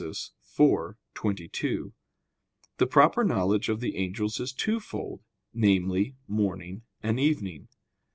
iv, 22), the proper knowledge of the angels is twofold; namely, morning and evening.